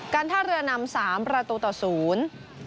ท่าเรือนำสามประตูต่อศูนย์